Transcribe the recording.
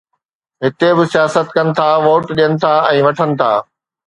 هتي به سياست ڪن ٿا، ووٽ ڏين ٿا ۽ وٺن ٿا